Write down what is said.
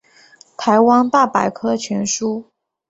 台湾大百科全书